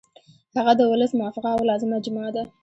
هغه د ولس موافقه او لازمه اجماع ده.